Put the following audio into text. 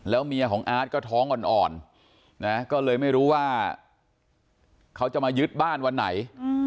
เมียของอาร์ตก็ท้องอ่อนนะก็เลยไม่รู้ว่าเขาจะมายึดบ้านวันไหน